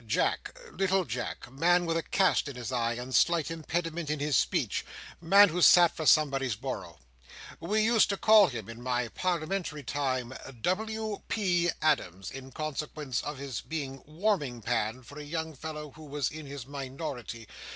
Jack—little Jack—man with a cast in his eye, and slight impediment in his speech—man who sat for somebody's borough. We used to call him in my parliamentary time W. P. Adams, in consequence of his being Warming Pan for a young fellow who was in his minority.